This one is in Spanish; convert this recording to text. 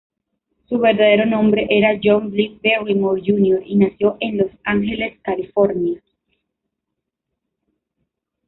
Su verdadero nombre era John Blyth Barrymore, Jr., y nació en Los Ángeles, California.